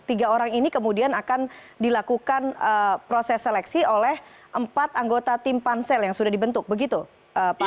tiga orang ini kemudian akan dilakukan proses seleksi oleh empat anggota tim pansel yang sudah dibentuk begitu pak